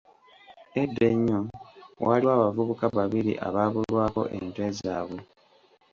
Edda ennyo, waaliwo abavubuka babiri abaabulwako ente zaabwe.